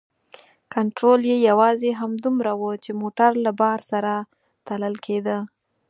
کنترول یې یوازې همدومره و چې موټر له بار سره تلل کیده.